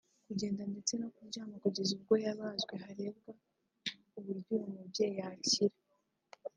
kugenda ndetse no kuryama kugeza ubwo yabazwe harebwa uburyo uyu mubyeyi yakira